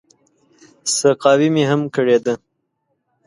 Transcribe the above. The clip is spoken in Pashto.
سقاوي مې هم کړې ده.